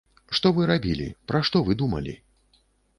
Што вы рабілі, пра што вы думалі?